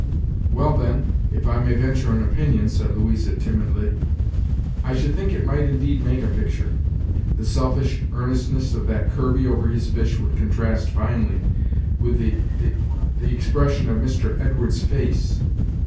"Well, then, if I may venture an opinion," said Louisa timidly, "I should think it might indeed make a picture. The selfish earnestness of that Kirby over his fish would contrast finely with the the expression of Mr. Edwards' face.